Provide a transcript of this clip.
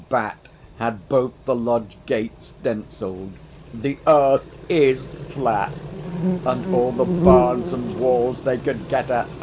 Bat had both the lodge gates stencilled "The Earth is flat!" and all the barns and walls they could get at....